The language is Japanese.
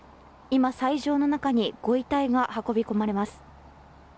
今、斎場の中にご遺体が運び込まれます。